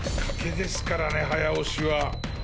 賭けですからね早押しは。